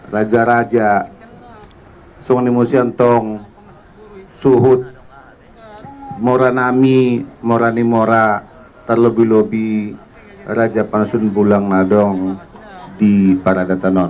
raja raja songni musyantong suhut mora nami morani mora terlebih lebih raja panusun bulang nadong di para